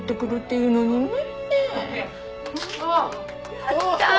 やったー！